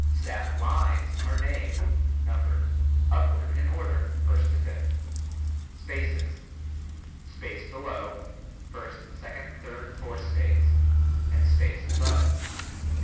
Staff lines are named (numbered) upward in order, first to fifth. Spaces: Space below, first second third fourth space, and space above.